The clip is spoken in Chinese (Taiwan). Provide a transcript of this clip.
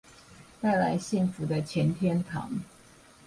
帶來幸福的錢天堂